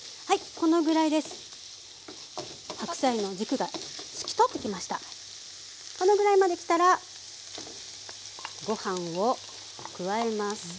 このぐらいまできたらご飯を加えます。